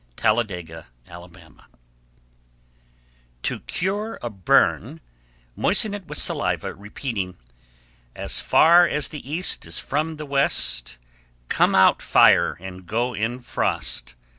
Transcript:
Talladega, Ala. 1157. To cure a burn, moisten it with saliva, repeating: As far as the east is from the west, Come out fire and go in frost.